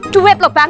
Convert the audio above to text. cuek loh bang